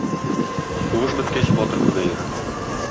Сугыш беткәч батыр күбәер.